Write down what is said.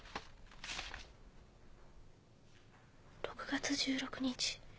「６月１６日」。